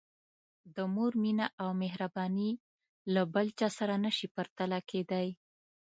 د مور مینه او مهرباني له بل چا سره نه شي پرتله کېدای.